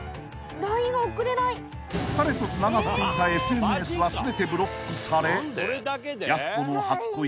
［彼とつながっていたＳＮＳは全てブロックされ］